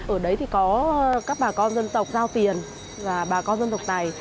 ở đấy thì có các bà con dân tộc giao tiền và bà con dân tộc tài